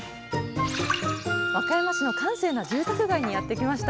和歌山市の閑静な住宅街にやってきました。